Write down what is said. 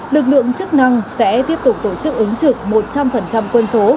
lực lượng chức năng sẽ tiếp tục tổ chức ứng trực một trăm linh quân số